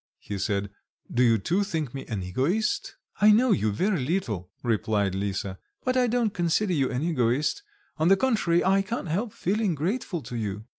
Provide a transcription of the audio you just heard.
he said, "do you too think me an egoist?" "I know you very little," replied Lisa, "but I don't consider you an egoist; on the contrary, I can't help feeling grateful to you."